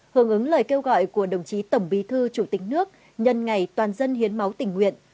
hưởng ứng lời kêu gọi của đồng chí tổng bí thư chủ tịch nước nhân ngày toàn dân hiến máu tình nguyện